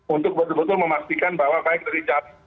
untuk betul betul memastikan bahwa baik dari calon